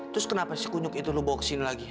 terus kenapa si kunyuk itu lu bawa ke sini lagi